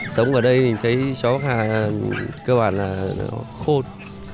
sống ở đây mình thấy chó bắc hà cơ bản là khôn